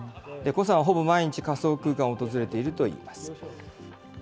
胡さんはほぼ毎日、仮想空間を訪れているといいます。